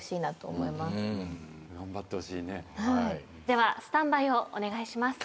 ではスタンバイをお願いします。